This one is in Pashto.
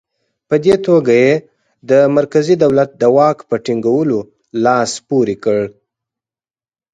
په دې توګه یې د مرکزي دولت د واک په ټینګولو لاس پورې کړ.